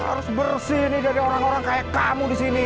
harus bersih nih dari orang orang kayak kamu disini